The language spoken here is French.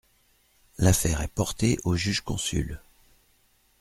L'affaire est portée aux juges consuls.